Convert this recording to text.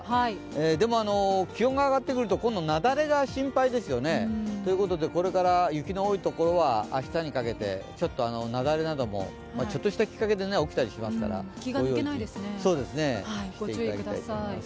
でも気温が上がってくると今度雪崩が心配ですよね。ということで、これから雪の多い所は明日にかけて雪崩なども、ちょっとしたきっかけで起きたりしますから注意いただきたいと思います。